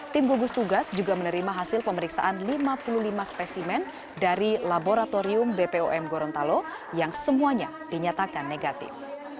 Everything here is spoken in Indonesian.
tim gugus tugas juga menerima hasil pemeriksaan lima puluh lima spesimen dari laboratorium bpom gorontalo yang semuanya dinyatakan negatif